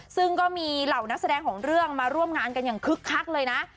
ซึ่งก็มีเหล่านักแสดงของเรื่องมาร่วมงานกันอย่างคึกคักเลยนะ